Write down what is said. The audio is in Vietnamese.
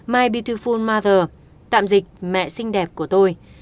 my beautiful mother tạm dịch mẹ xinh đẹp của tôi